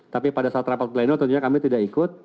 tapi pada saat rapat pleno tentunya kami tidak ikut